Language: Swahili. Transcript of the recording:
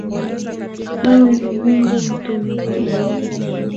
Wewe ni Mungu mtuliza mawimbi